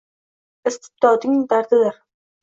Istibdodning dardidir.